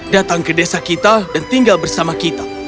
datang ke desa kita dan tinggal bersama kita